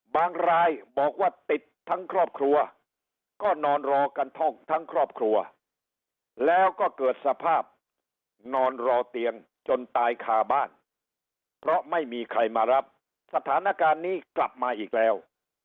รายบอกว่าติดทั้งครอบครัวก็นอนรอกันท่องทั้งครอบครัวแล้วก็เกิดสภาพนอนรอเตียงจนตายคาบ้านเพราะไม่มีใครมารับสถานการณ์นี้กลับมาอีกแล้ว